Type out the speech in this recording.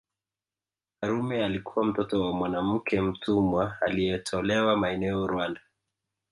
Karume alikuwa mtoto wa mwanamke mtumwa alietolewa maeneo Rwanda